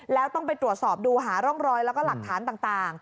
แล้วต้องไปตรวจสอบดูหาร่องรอยแล้วก็หลักฐานต่าง